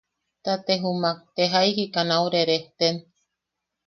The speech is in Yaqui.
Ta te jumak te jaiki ka nau rerejten.